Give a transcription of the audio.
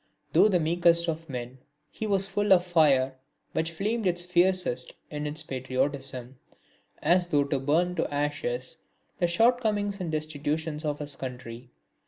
Though the meekest of men, he was full of fire which flamed its fiercest in his patriotism, as though to burn to ashes the shortcomings and destitution of his country.